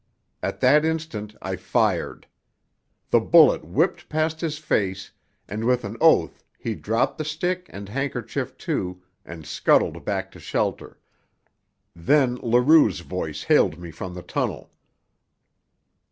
At that instant I fired. The bullet whipped past his face, and with an oath he dropped the stick and handkerchief too, and scuttled back to shelter. Then Leroux's voice hailed me from the tunnel.